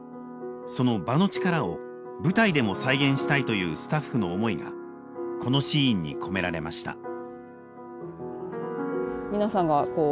その場の力を舞台でも再現したいというスタッフの思いがこのシーンに込められました。